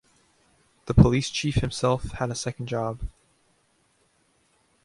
The police chief himself had a second job.